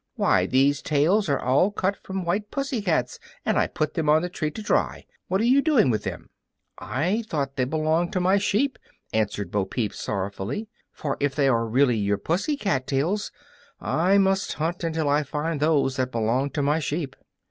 "Why, these tails are all cut from white pussy cats, and I put them on the tree to dry. What are you doing with them?" "I thought they belonged to my sheep," answered Bo Peep, sorrowfully; "but if they are really your pussy cat tails, I must hunt until I find those that belong to my sheep."